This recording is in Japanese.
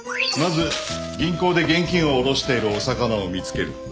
まず銀行で現金を下ろしているオサカナを見つける。